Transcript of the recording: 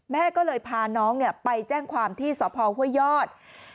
แม่ก็เลยพาน้องไปแจ้งความที่สพห้วยยอด